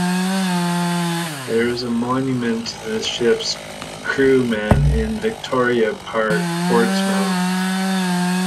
There is a monument to the ship's crew men in Victoria Park, Portsmouth.